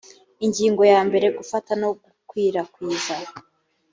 ingingo ya mbere gufata no gukwirakwiza